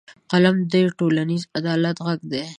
قلم د ټولنیز عدالت غږ دی